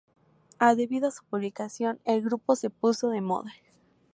Debido a su publicación el grupo se puso de moda.